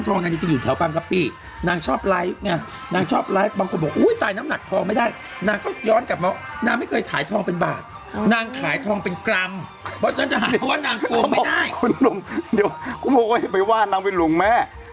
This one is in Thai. ก็เกิดกับจิตนาการเป็นของคู่กันเนาะ